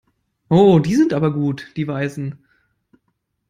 Oh, die sind aber gut, die Weißen!